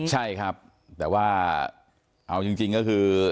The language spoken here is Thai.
ใช่ครับแต่ว่าเอาจริงก็คือ